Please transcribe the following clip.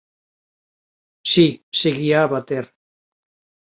Si, seguía a bater.